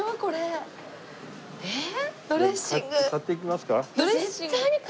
買っていきますか？